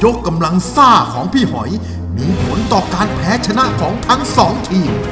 กำลังซ่าของพี่หอยมีผลต่อการแพ้ชนะของทั้งสองทีม